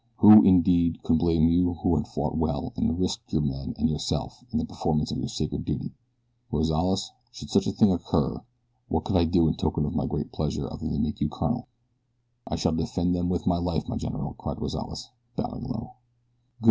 Who, indeed, could blame you who had fought well and risked your men and yourself in the performance of your sacred duty? Rozales, should such a thing occur what could I do in token of my great pleasure other than make you a colonel?" "I shall defend them with my life, my general," cried Rozales, bowing low. "Good!"